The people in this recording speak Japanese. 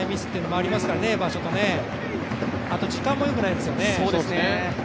あと時間もよくないですよね。